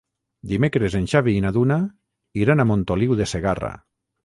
Dimecres en Xavi i na Duna iran a Montoliu de Segarra.